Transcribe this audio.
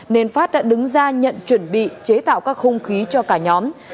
nên phát đã đứng ra nhận chuẩn bị chế tạo các khung khí cho cả nhóm